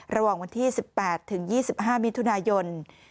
ระหว่างวันที่๑๘ถึง๒๕มิถุนายน